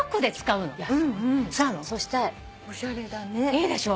いいでしょ？